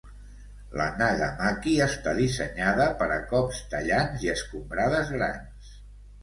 La nagamaki està dissenyada per a cops tallants i escombrades grans.